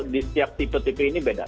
di setiap tipe tipe ini beda